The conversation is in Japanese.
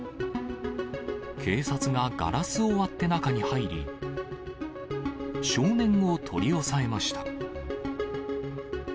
警察がガラスを割って中に入り、少年を取り押さえました。